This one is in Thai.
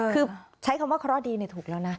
คือใช้คำว่าเคราะห์ดีถูกแล้วนะ